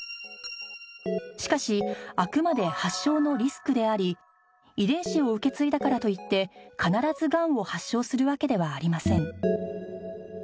しかしあくまで発症のリスクであり遺伝子を受け継いだからといって必ずがんを発症するわけではありません